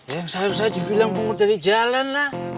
yang selalu saya dibilang pengurus dari jalan lah